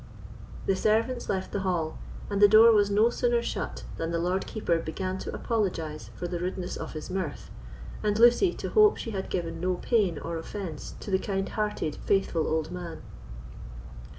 The servants left the hall; and the door was no sooner shut than the Lord Keeper began to apologise for the rudeness of his mirth; and Lucy to hope she had given no pain or offence to the kind hearted faithful old man.